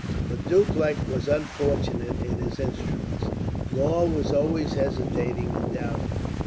But Dupleix was unfortunate in his instruments. Law was always hesitating and doubting.